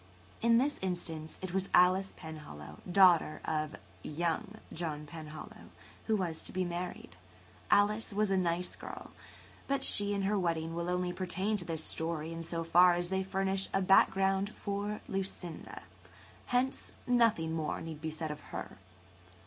In this instance it was Alice Penhallow, daughter of "young" John Penhallow, who was to be [Page 136] married. Alice was a nice girl, but she and her wedding only pertain to this story in so far as they furnish a background for Lucinda; hence nothing more need be said of her.